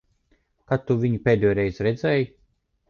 Kad tu viņu pēdējoreiz redzēji?